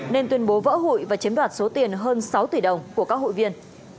nên tuyên bố vỡ hụi và chiếm đoạt số tiền hơn sáu tỷ đồng của các hụi viên